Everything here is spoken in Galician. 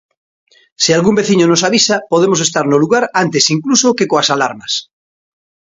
Se algún veciño nos avisa, podemos estar no lugar antes incluso que coas alarmas.